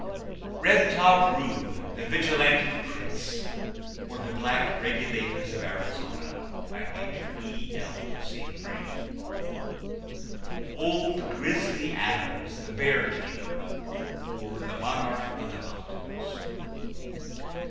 Redtop Rube, the Vigilante Prince; or, The Black Regulators of Arizona. By Major E. L. St. Vrain. Old Grizzly Adams, the Bear Tamer; or, The Monarch of the Mountains.